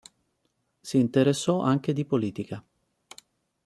Si interessò anche di politica.